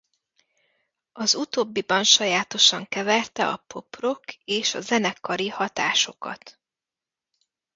Az utóbbiban sajátosan keverte a pop-rock és a zenekari hatásokat.